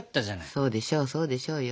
そうでしょうそうでしょうよ。